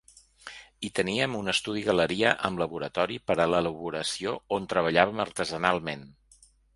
Hi teníem un estudi-galeria amb laboratori per a l’elaboració on treballàvem artesanalment.